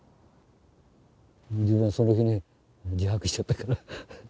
自分はその日に自白しちゃったから。